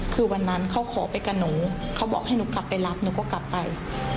คือวันนั้นเขาขอไปกับหนูเขาบอกให้หนูกลับไปรับหนูก็กลับไป